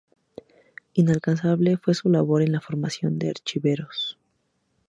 Incansable fue su labor en la formación de archiveros.